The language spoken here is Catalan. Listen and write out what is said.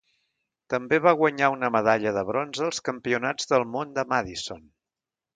També va guanyar una medalla de bronze als campionats del món de Madison.